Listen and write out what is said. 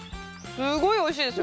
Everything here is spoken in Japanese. すごいおいしいですよ。